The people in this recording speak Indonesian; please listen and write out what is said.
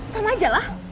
sama aja lah